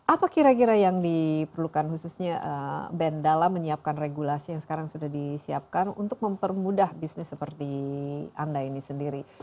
apa kira kira yang diperlukan khususnya bendala menyiapkan regulasi yang sekarang sudah disiapkan untuk mempermudah bisnis seperti anda ini sendiri